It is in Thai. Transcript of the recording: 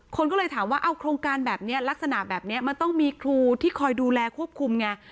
คนก็เลยถามว่าเอาโครงการแบบนี้ลักษณะแบบนี้มันต้องมีครูที่คอยดูแลควบคุมไง